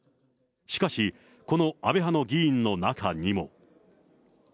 しかし、この安倍派の議員の中にも。